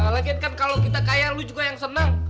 lagian kan kalau kita kaya lu juga yang senang